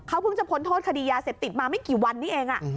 เขาเพิ่งจะพ้นโทษคดียาเสพติดมาไม่กี่วันนี้เอง